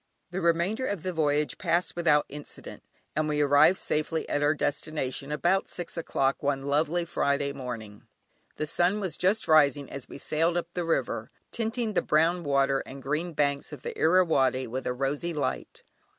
The remainder of the voyage passed without incident, and we arrived safely at our destination about six o'clock one lovely Friday morning. The sun was just rising as we sailed up the river, tinting the brown water and the green banks of the Irrawaddy with a rosy light.